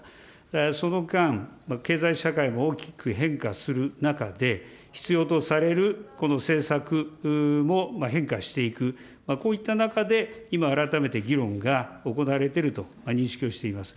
その間、経済社会も大きく変化する中で、必要とされるこの政策も変化していく、こういった中で今改めて議論が行われていると認識をしております。